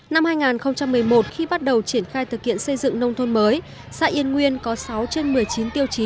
năm hai nghìn một mươi một khi bắt đầu triển khai thực hiện xây dựng nông thôn mới xã yên nguyên có sáu trên một mươi chín tiêu chí